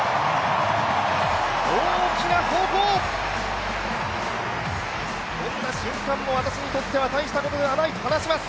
大きな咆哮、どんな瞬間も私にとっては大したことがないと話します。